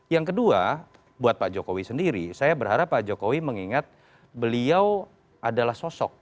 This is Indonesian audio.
yang kedua buat pak jokowi sendiri saya berharap pak jokowi mengingat beliau adalah sosok